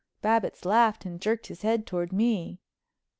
Babbitts laughed and jerked his head toward me.